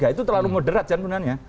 itu terlalu moderat kan benarnya